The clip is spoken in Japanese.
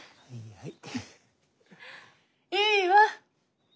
はい。